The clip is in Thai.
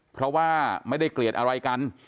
เพราะว่าไม่ได้เกลียดอะไรกัน